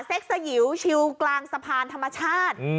เซ็กสยิ๋วชิวกลางสภาณธรรมชาติ